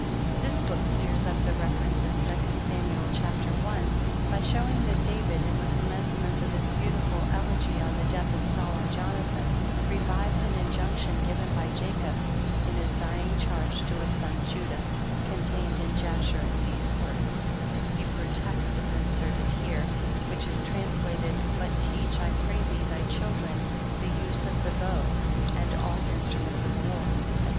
This book clears up the reference in 2 Samuel, ch. i., by showing that David, in the commencement of his beautiful elegy on the death of Saul and Jonathan, revived an injunction given by Jacob in his dying charge to his son Judah, contained in Jasher in these words :*'* But teach, I pray thee, thy children the use of the bow, and all in struments of war," &c.